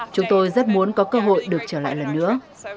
chúng tôi rất muốn có cơ hội được trở lại lần nữa